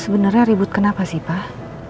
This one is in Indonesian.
sebenarnya ribut kenapa sih pak